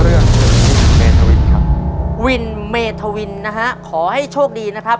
วินเมพาอันดับวินนะครับขอให้โชคดีนะครับ